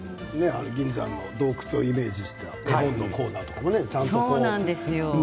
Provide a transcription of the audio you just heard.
銀山の洞窟をイメージした絵本のコーナーとかね。